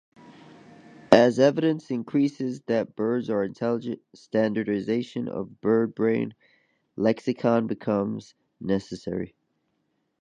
As evidence increases that birds are intelligent, standardization of bird brain lexicon becomes necessary.